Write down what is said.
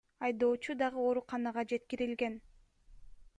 Айдоочу дагы ооруканага жеткирилген.